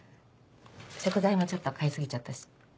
食材もちょっと買い過ぎちゃったし。